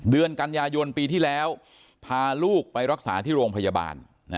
เดือนกันยายนปีที่แล้วพาลูกไปรักษาที่โรงพยาบาล